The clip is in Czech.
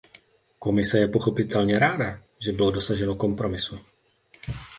Komise je pochopitelně ráda, že bylo dosaženo kompromisu.